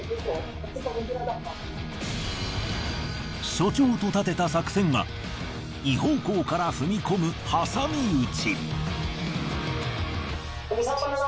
署長と立てた作戦が２方向から踏み込む挟み撃ち。